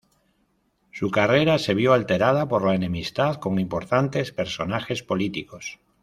Su carrera se vio alterada por la enemistad con importantes personajes políticos.